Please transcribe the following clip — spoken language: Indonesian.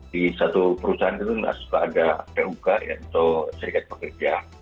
di satu perusahaan itu tidak ada puk atau serikat pekerja